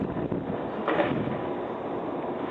Incomum